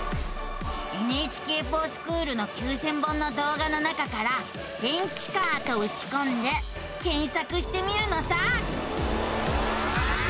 「ＮＨＫｆｏｒＳｃｈｏｏｌ」の９，０００本の動画の中から「電池カー」とうちこんで検索してみるのさ。